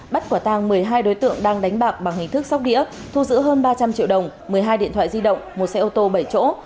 bắt quả tang một mươi hai đối tượng đang đánh bạc bằng hình thức sóc đĩa thu giữ hơn ba trăm linh triệu đồng một mươi hai điện thoại di động một xe ô tô bảy chỗ